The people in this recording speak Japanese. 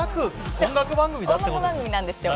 音楽番組なんですよ。